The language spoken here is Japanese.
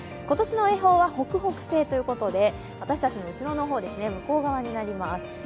今年の恵方は北北西ということで、私たちの後ろの方、向こう側になります。